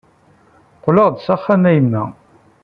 Qqleɣ-d s axxam a yemma!